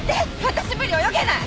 私無理泳げない。